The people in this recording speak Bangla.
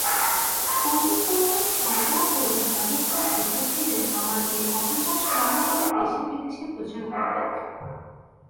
পণ্ডিতমণ্ডলী সংগ্রহ করিয়া ব্যবস্থা জিজ্ঞাসিলে আমার এই অপযশ ক্রমে ক্রমে দেশে বিদেশে প্রচার হইবেক।